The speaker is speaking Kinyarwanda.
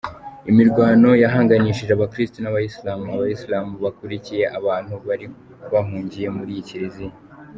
Imirwano yahanganishije Abakirisitu n’Abayisilamu, Abayisilamu bakurikiye abantu bari bahungiye muri iyi kiliziya.